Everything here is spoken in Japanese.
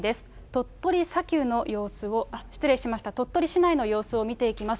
鳥取砂丘の様子を、失礼しました、鳥取市内の様子を見ていきます。